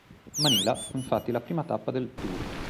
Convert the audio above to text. Manila fu infatti la prima tappa del "tour".